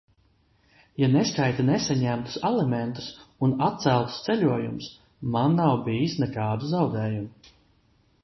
Ja neskaita nesaņemtus alimentus un atceltus ceļojumus, man nav bijis nekādu zaudējumu.